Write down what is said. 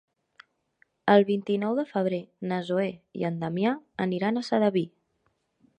El vint-i-nou de febrer na Zoè i en Damià aniran a Sedaví.